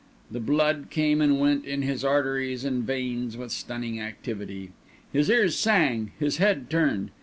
The blood came and went in his arteries and veins with stunning activity; his ears sang; his head turned.